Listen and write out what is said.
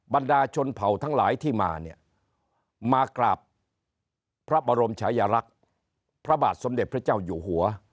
บรรดาชนเผ่าทั้งหลายที่มาเนี่ยมากราบพระบรมชายลักษณ์พระบาทสมเด็จพระเจ้าอยู่หัว